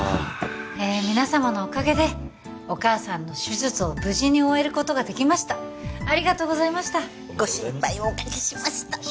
ええ皆様のおかげでお母さんの手術を無事に終えることができましたありがとうございましたご心配をおかけしました